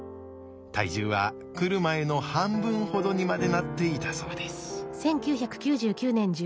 体重は来る前の半分ほどにまでなっていたそうです。